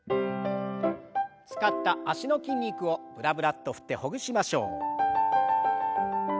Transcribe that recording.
使った脚の筋肉をブラブラッと振ってほぐしましょう。